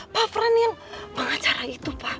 pak franz yang pengacara itu pak